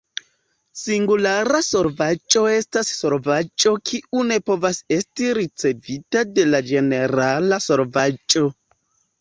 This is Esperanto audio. Singulara solvaĵo estas solvaĵo kiu ne povas esti ricevita de la ĝenerala solvaĵo.